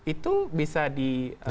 itu bisa diberikan sanksi